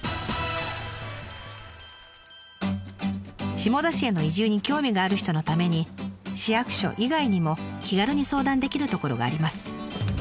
下田市への移住に興味がある人のために市役所以外にも気軽に相談できる所があります。